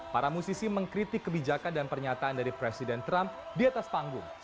para musisi mengkritik kebijakan dan pernyataan dari presiden trump di atas panggung